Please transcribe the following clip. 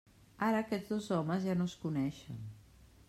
Ara aquests dos homes ja no es coneixen.